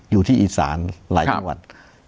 อยู่ที่อีสานหลายจังหวัด